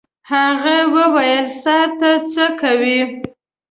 هغه وویل: «سهار ته څه کوې؟»